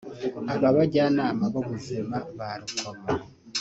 Aba bajyanama b’ubuzima ba Rukomo